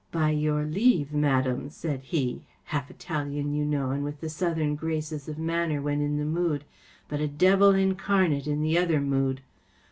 ' By your leave, madame,’ said he‚ÄĒhalf Italian, you know, and with the Southern graces of manner when in the mood, but a devil incarnate in the other mood.